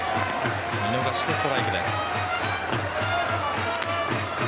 見逃しのストライクです。